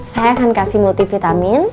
saya akan kasih multivitamin